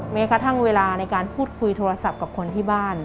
แม้กระทั่งเวลาในการพูดคุยโทรศัพท์กับคนที่บ้าน